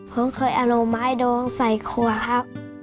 ผมเคยเอาหน่อไม้ดองใส่ครัวครับ